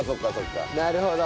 なるほど。